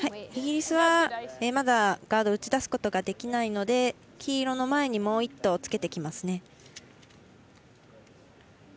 イギリスはまだガードを打ち出すことができないので黄色の前にもう１投つけてきます。